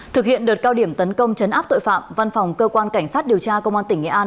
thực hiện đợt cao điểm tấn công chấn áp tội phạm văn phòng cơ quan cảnh sát điều tra công an tỉnh nghệ an